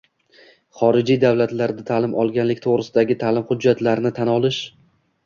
Xorijiy davlatlarda ta’lim olganlik to‘g‘risidagi ta’lim hujjatlarini tan olish